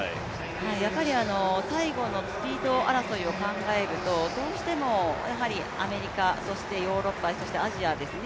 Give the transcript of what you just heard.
やっぱり最後のスピード争いを考えると、どうしてもアメリカ、そしてヨーロッパ、アジアですね。